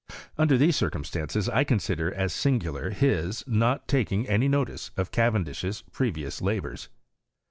Under these circumstances, I consider as singular his not taking any notice of Cayendish's preyious labours.